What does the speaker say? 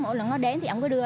mỗi lần nó đến thì ông cứ đưa